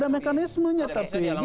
terima kasih stay strong